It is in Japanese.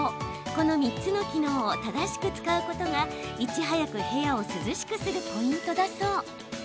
この３つの機能を正しく使うことがいち早く部屋を涼しくするポイントだそう。